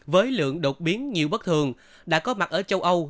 với lượng đột biến nhiều bất thường đã có mặt ở châu âu